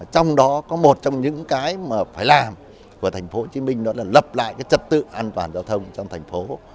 trong đó có một trong những cái mà phải làm của thành phố hồ chí minh đó là lập lại cái chất tự an toàn giao thông trong thành phố